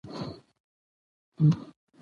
د کتاب اخري عنوان دى.